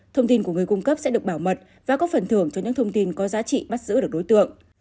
thông tin của người cung cấp sẽ được bảo mật và có phần thưởng cho những thông tin có giá trị bắt giữ được đối tượng